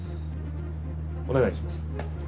お願いします。